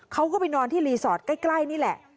เขาก็ไปนอนที่รีสอร์ทใกล้นี่แหละ